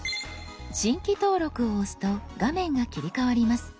「新規登録」を押すと画面が切り替わります。